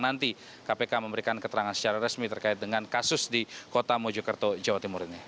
nanti kpk memberikan keterangan secara resmi terkait dengan kasus di kota mojokerto jawa timur ini